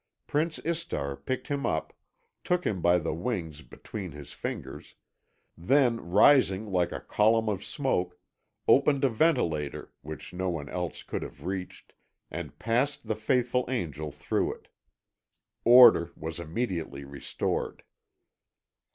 Prince Istar picked him up, took him by the wings between his fingers, then rising like a column of smoke, opened a ventilator, which no one else could have reached, and passed the faithful angel through it. Order was immediately restored.